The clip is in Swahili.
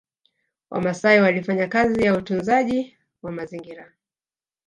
Wamaasai walifanya kazi ya utunzaji wa mazingra